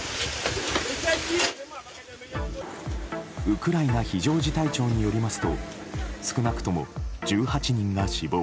ウクライナ非常事態庁によりますと少なくとも１８人が死亡。